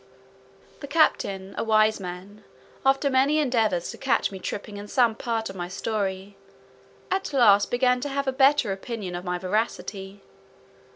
The captain, a wise man, after many endeavours to catch me tripping in some part of my story, at last began to have a better opinion of my veracity.